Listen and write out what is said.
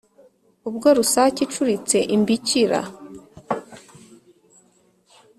Ubwo rusake icuritse imbikira